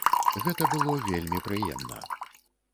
Гэта было вельмі прыемна!